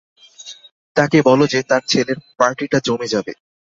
তাকে বলো যে, তার ছেলের পার্টিটা জমে যাবে।